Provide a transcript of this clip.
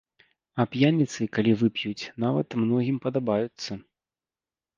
А п'яніцы, калі вып'юць, нават многім падабаюцца.